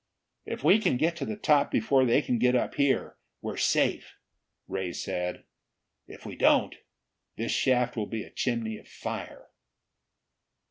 "If we can get to the top before they can get up here, we're safe," Ray said. "If we don't, this shaft will be a chimney of fire."